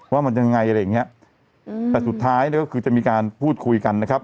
ว่ามันยังไงอะไรอย่างเงี้ยอืมแต่สุดท้ายเนี่ยก็คือจะมีการพูดคุยกันนะครับ